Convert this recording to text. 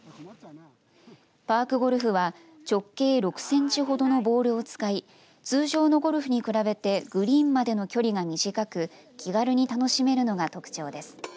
パークゴルフは直径６センチほどのボールを使い通常のゴルフに比べてグリーンまでの距離が短く気軽に楽しめるのが特徴です。